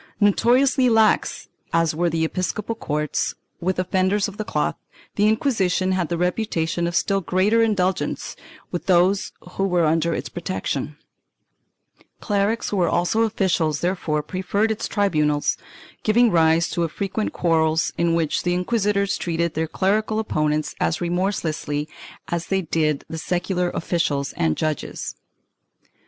Noto riously lax as were the episcopal courts with offenders of the cloth, the Inquisition had the reputation of still greater indulgence with those who were under its protection; clerics who were also officials therefore preferred its tribunals, giving rise to frequent quarrels in which the inquisitors treated their clerical opponents as remorselessly. as they did the secular officials and judges.